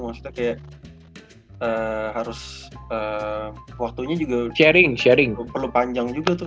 maksudnya kayak harus waktunya juga perlu panjang juga tuh